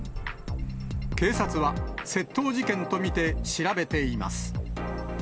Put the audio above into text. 警察は、窃盗事件と見て調べています。